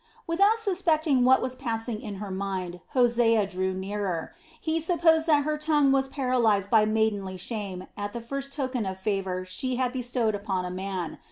Without suspecting what was passing in her mind, Hosea drew nearer. He supposed that her tongue was paralyzed by maidenly shame at the first token of favor she had bestowed upon a man.